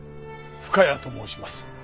深谷と申します。